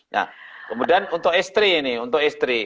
nah kemudian untuk istri ini untuk istri